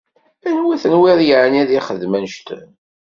Anwa tenwiḍ yeεni ad yexdem annect-en?